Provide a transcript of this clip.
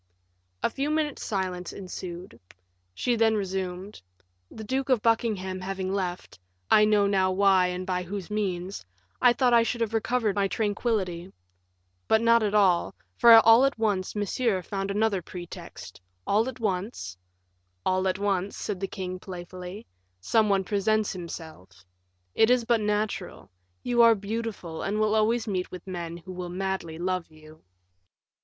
A few minutes' silence ensued. She then resumed: "The Duke of Buckingham having left I now know why and by whose means I thought I should have recovered my tranquillity; but not at all, for all at once Monsieur found another pretext; all at once " "All at once," said the king, playfully, "some one else presents himself. It is but natural; you are beautiful, and will always meet with men who will madly love you."